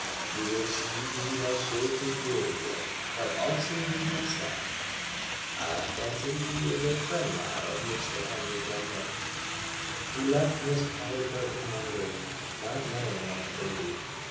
You will see he has shaved his beard again, but also his moustache. I fancy he is a friend now of Mr. Andrew Campbell." He left Miss Polly Burton wondering, not knowing what to believe.